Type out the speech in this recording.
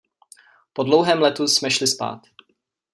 Po dlouhém letu jsme šli spát.